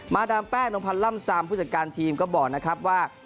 ดามแป้งนมพันธ์ล่ำซามผู้จัดการทีมก็บอกนะครับว่า